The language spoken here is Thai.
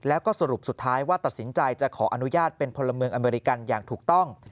แล้วก็สรุปสุดท้ายว่าตัดสินใจจะขออนุญาตเป็นพลเมืองอเมริกันอย่างถูกต้อง